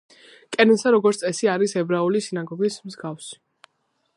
კენესა, როგორც წესი არის ებრაული სინაგოგის მსგავსი.